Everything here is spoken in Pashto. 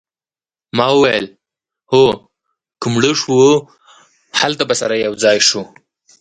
ما وویل هو که مړه شوو هلته به سره یوځای شو